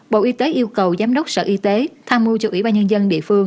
bộ y tế yêu cầu giám đốc sở y tế tham mưu cho ủy ban nhân dân địa phương